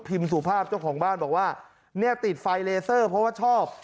สุภาพเจ้าของบ้านบอกว่าเนี่ยติดไฟเลเซอร์เพราะว่าชอบ